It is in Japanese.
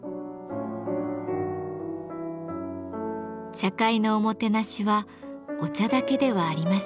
茶会のおもてなしはお茶だけではありません。